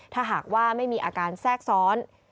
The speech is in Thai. ถ้าหากว่าไม่มีอาการแทรกซ้อน